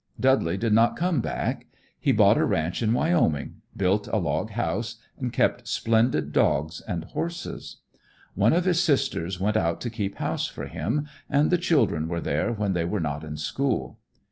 Dudley did not come back. He bought a ranch in Wyoming, built a big log house and kept splendid dogs and horses. One of his sisters went out to keep house for him, and the children were there when they were not in school.